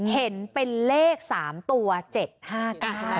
เห็นเป็นเลข๓ตัว๗ห้ากา